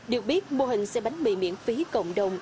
được biết mô hình xe bánh mì miễn phí cộng đồng